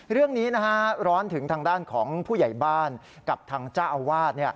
เรื่องนี้ร้อนถึงทางด้านของผู้ใหญ่บ้านกับทางเจ้าอาวาส